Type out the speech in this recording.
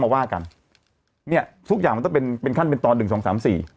ว่ากันเนี้ยทุกอย่างมันต้องเป็นเป็นขั้นเป็นตอนหนึ่งสองสามสี่